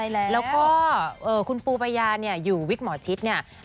แล้วก็คุณปูปายาอยู่วิกหมอชิด